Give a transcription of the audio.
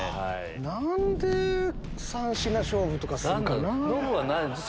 何で３品勝負とかするかな。